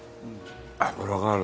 脂がある。